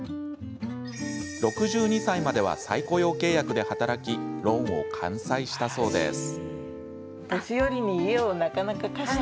６２歳までは再雇用契約で働きローンを完済したそうです。